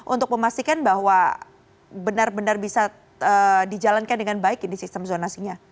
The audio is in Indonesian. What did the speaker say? untuk memastikan bahwa benar benar bisa dijalankan dengan baik ini sistem zonasinya